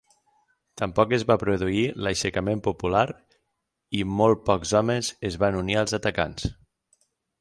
Tampoc es va produir l'aixecament popular i molt pocs homes es van unir als atacants.